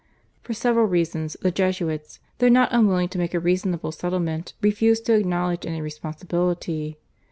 For several reasons the Jesuits, though not unwilling to make a reasonable settlement, refused to acknowledge any responsibility.